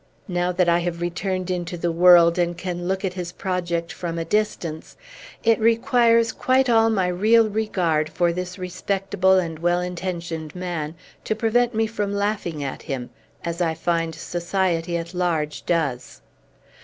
Now that I have returned into the world, and can look at his project from a distance, it requires quite all my real regard for this respectable and well intentioned man to prevent me laughing at him, as I find society at large does."